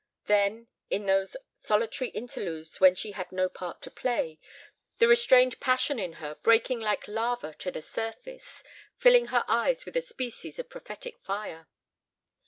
Then, in those solitary interludes when she had no part to play, the restrained passion in her breaking like lava to the surface, filling her eyes with a species of prophetic fire.